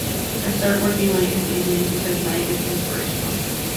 I start working late in the evening because night is inspirational.